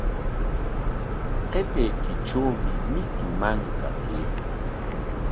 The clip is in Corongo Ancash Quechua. Qapaykitrawmi mitu manka kaykan.